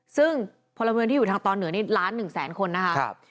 ซึ่งพลเมืองที่อยู่ทางตอนเหนือนี่ล้าน๑แสนคนนะคะ